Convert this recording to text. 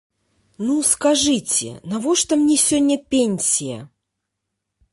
Ну, скажыце, навошта мне сёння пенсія?